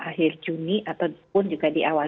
akhir juni ataupun juga di awal